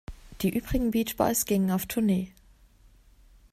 Die übrigen Beach Boys gingen auf Tournee.